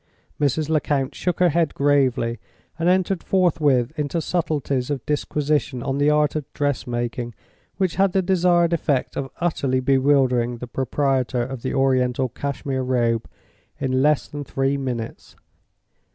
Mrs. Lecount shook her head gravely, and entered forthwith into subtleties of disquisition on the art of dressmaking which had the desired effect of utterly bewildering the proprietor of the Oriental Cashmere Robe in less than three minutes.